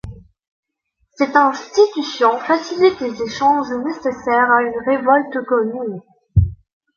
Cette institution facilite les échanges nécessaires à une révolte commune.